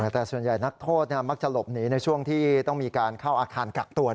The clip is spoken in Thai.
แต่ส่วนใหญ่นักโทษมักจะหลบหนีในช่วงที่ต้องมีการเข้าอาคารกักตัว